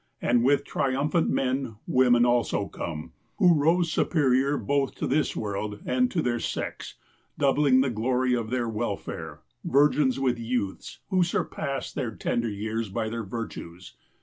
And with triumphant men, women also come, who rose superior both to this world, and to their sex, doubling the glory of their welfare ; virgins with youths, who surpassed their tender years by the' virtues.